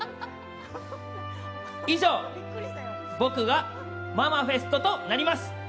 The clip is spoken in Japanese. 以上、ママフェストとなります。